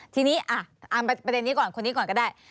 ทีนี้ตามประเด็นนี้ก่อนคนนี้ก่อนก็ได้